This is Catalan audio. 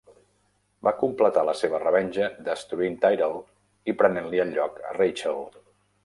Va completar la seva revenja destruint Tyrell i prenent-li el lloc a Rachael.